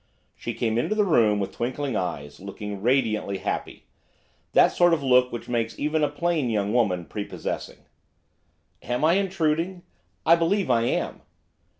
She came into the room, with twinkling eyes, looking radiantly happy, that sort of look which makes even a plain young woman prepossessing. 'Am I intruding? I believe I am.